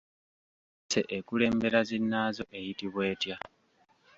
Emmese ekulembera zinnaazo eyitibwa etya?